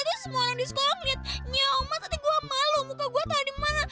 tuh semua orang di sekolah ngeliat nyoma tapi gue malu muka gue tau dimana